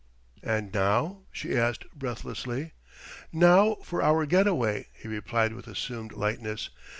"And now...?" she asked breathlessly. "Now for our get away," he replied with assumed lightness.